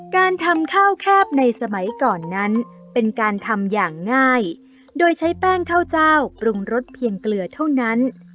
การทำข้าวแคบในสมัยก่อนนั้นเป็นการทำอย่างง่ายโดยใช้แป้งข้าวเจ้าปรุงรสเพียงเกลือเท่านั้น